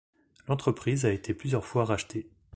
L’entreprise a été plusieurs fois rachetée.